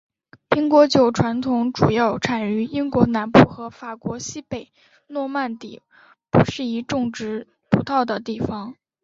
苹果酒传统主要产于英国南部和法国西北诺曼底不适宜种植葡萄的地方。